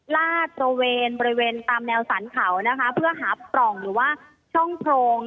ลาดตระเวนบริเวณตามแนวสรรเขานะคะเพื่อหาปล่องหรือว่าช่องโพรง